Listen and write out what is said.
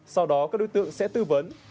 sau đó các đối tượng sẽ tư vấn